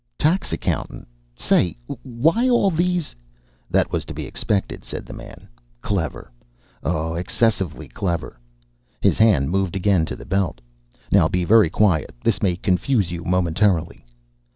"Tax accountant. Say! Why all these " "That was to be expected," said the man. "Clever! Oh, excessively clever!" His hand moved again to the belt. "Now be very quiet. This may confuse you momentarily."